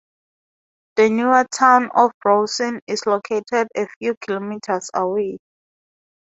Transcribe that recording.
The newer town of Rawson is located a few kilometres away.